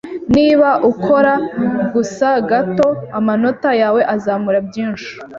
Niba ukora gusa gato amanota yawe azamura byinshi.